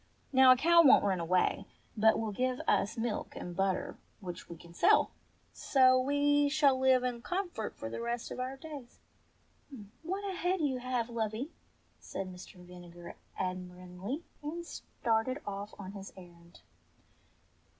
Now a cow won*t run away, but will give us milk and butter, which we can sell. So we shall live in comfort for the rest of our days." "What a head you have, lovey," said Mr. Vinegar ad miringly, and started ofl^ on his errand.